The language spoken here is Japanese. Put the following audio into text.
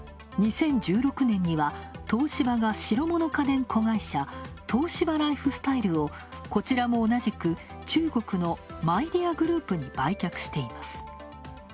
２０１６年には東芝が白物家電子会社東芝ライフスタイルをこちらも同じく中国のマイディアグループに売却しています。